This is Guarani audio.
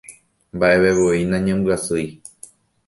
Mba'evevoi nañambyasýi